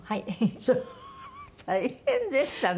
そう大変でしたね。